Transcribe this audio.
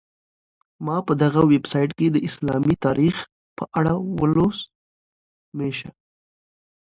ما په دغه ویبسایټ کي د اسلامي تاریخ په اړه ولوسهمېشه.